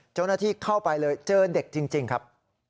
เจ้านายธรรมีเข้าไปเลยเจอเด็กจริงครับ